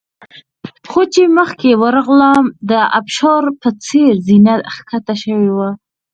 خو چې مخکې ورغلم د ابشار په څېر زینه ښکته شوې وه.